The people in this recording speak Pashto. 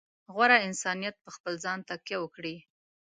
غوره انسانیت په خپل ځان تکیه وکړي.